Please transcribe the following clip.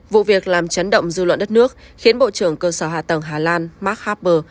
vụ việc làm chấn động dư luận đất nước khiến bộ trưởng cơ sở hạ tầng hà lan mark happer